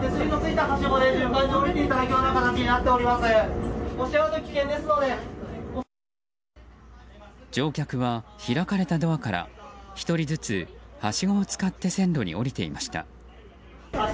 乗客は開かれたドアから１人ずつはしごを使って線路に降りていました。